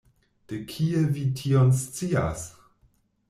De kie vi tion scias?